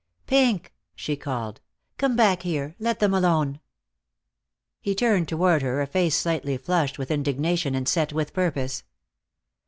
"Pink!" she called, "Come back here. Let them alone." He turned toward her a face slightly flushed with indignation and set with purpose.